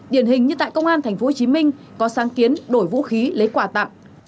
điển hình như tại công an tp hcm có sáng kiến đổi vũ khí lấy quà tặng